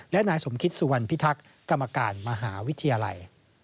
และนายสมคิตสุวรรณพิทักษ์กรรมการมหาวิทยาลัย